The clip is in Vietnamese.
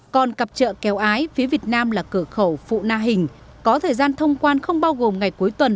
còn cặp trợ kéo ái phía việt nam là cửa khẩu phụ na hình có thời gian thông quan không bao gồm ngày cuối tuần